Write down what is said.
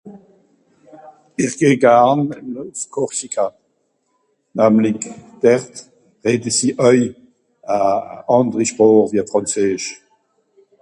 Ìch geh garn ìn Corsica. Dann dert redde sie oi e ànderi Sproch wia frànzeesch.